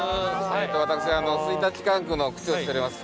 私吹田機関区の区長をしております